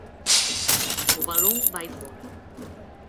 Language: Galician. O balón vai fóra.